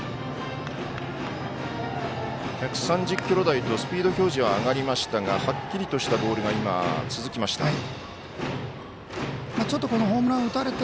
１３０キロ台とスピード表示は上がりましたが、はっきりとしたボールが続きました。